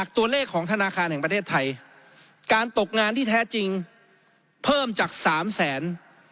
ตัวเลขของธนาคารแห่งประเทศไทยการตกงานที่แท้จริงเพิ่มจากสามแสน